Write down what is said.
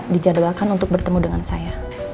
dijadwalkan untuk bertemu dengan saya